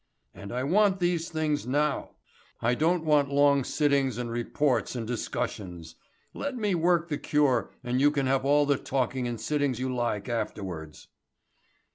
And I want these things now, I don't want long sittings and reports and discussions. Let me work the cure and you can have all the talking and sittings you like afterwards."